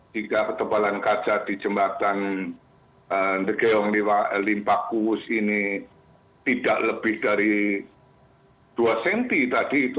jika ketebalan kaca di jembatan the geyong limpa kuhus ini tidak lebih dari dua cm tadi itu wah ini kan sangat berisiko